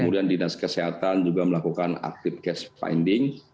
kemudian dinas kesehatan juga melakukan active cash finding